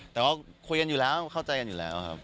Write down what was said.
แต่ก็คุยกันอยู่แล้วเข้าใจกันอยู่แล้วครับ